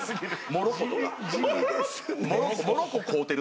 「モロコ飼うてる３」。